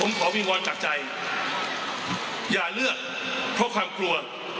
ผมขอวิงวอนจากใจอย่าเลือกเพราะความกลัว